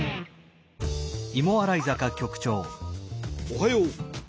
おはよう。